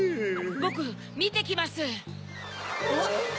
ボクみてきます。